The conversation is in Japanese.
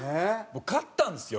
僕買ったんですよ